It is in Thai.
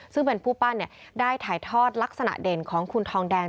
ซึ่งเป็นผู้ปั้นได้ถ่ายทอดลักษณะเด่นของคุณทองแดง